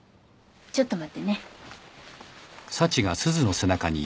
ちょっと待ってね。